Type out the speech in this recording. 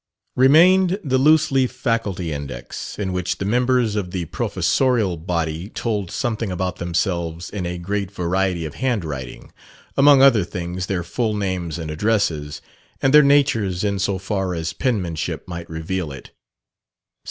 Remained the loose leaf faculty index, in which the members of the professorial body told something about themselves in a great variety of handwriting: among other things, their full names and addresses, and their natures in so far as penmanship might reveal it.